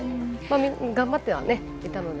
頑張っていたので。